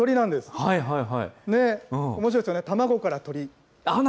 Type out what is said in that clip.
ね、おもしろいですよね、卵から鳥。